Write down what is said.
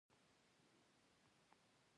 حمزه بابا د اتلانو کیسې بیان کړې.